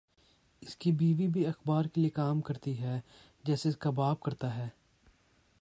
اس کی بیوی بھِی اخبار کے لیے کام کرتی ہے جیسے اس کا باپ کرتا تھا